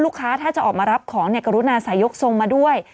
ลูกค้าถ้าจะออกมารับของก็รุณาใส่ยกทรงมาด้วย